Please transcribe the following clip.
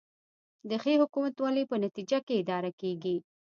د ښې حکومتولې په نتیجه کې اداره کیږي